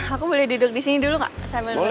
aku boleh duduk disini dulu gak